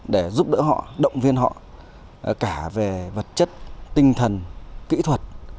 để giúp đỡ họ động viên họ cả về vật chất tinh thần kỹ thuật